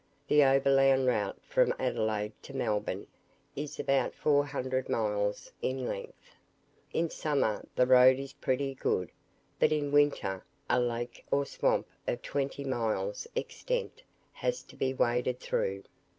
The overland route from Adelaide to Melbourne is about four hundred miles in length. In summer the road is pretty good, but in winter, a lake or swamp of twenty miles extent has to be waded through.